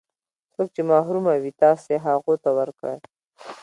څوک چې محروموي تاسې هغو ته ورکړئ.